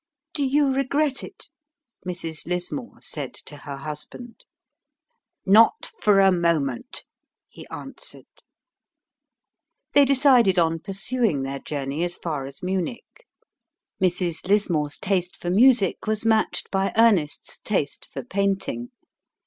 "Do you regret it?" Mrs. Lismore said to her husband. "Not for a moment!" he answered. They decided on pursuing their journey as far as Munich. Mrs. Lismore's taste for music was matched by Ernest's taste for painting.